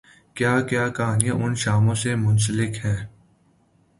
کیا کیا کہانیاںان شاموںسے منسلک ہیں۔